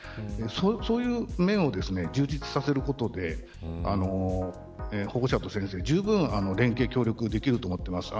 そういう面を充実させることで保護者と先生はじゅうぶん連携、協力できると思っています。